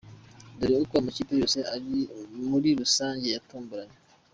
Dore uko amakipe yose muri rusange yatomboranye.